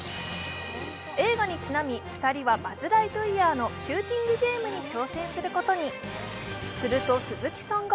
映画にちなみ２人はバズ・ライトイヤーのシューティングゲームに挑戦することに。